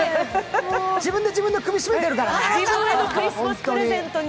自分で自分の首を絞めてるからね、ホントに。